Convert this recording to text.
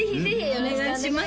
お願いします